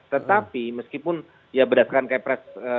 tetapi meskipun ya berdasarkan kepres